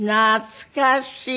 懐かしい！